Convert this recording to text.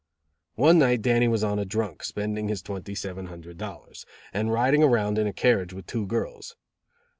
One night Dannie was on a drunk, spending his twenty seven hundred dollars, and riding around in a carriage with two girls.